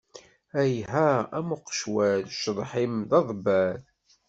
Iha am uqecwal, cceḍḥ-im d aḍebbal.